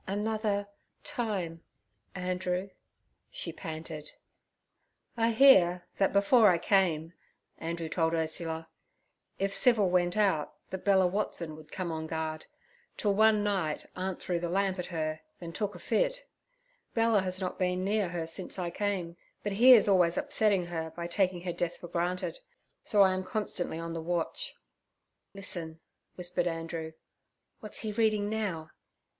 'Another—time—Andrew' she panted. 'I hear, that before I came' Andrew told Ursula, 'if Civil went out, that Bella Watson would come on guard, till one night aunt threw the lamp at her, then took a fit. Bella has not been near her since I came. But he is always upsetting her by taking her death for granted, so I am constantly on the watch. Listen' whispered Andrew, 'what's he reading now?'